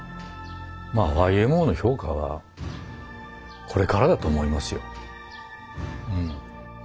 ＹＭＯの評価はこれからだと思いますようん。